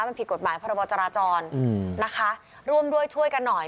มันผิดกฎหมายพรบจราจรนะคะร่วมด้วยช่วยกันหน่อย